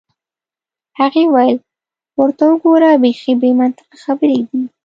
هغې وویل: ورته وګوره، بیخي بې منطقه خبرې دي.